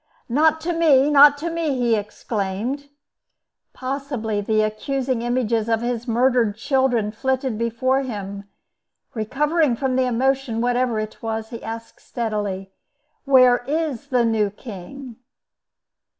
"Not to me, not to me!" he exclaimed. Possibly the accusing images of his murdered children flitted before him; recovering from the emotion, whatever it was, he asked, steadily, "Where is the new king?"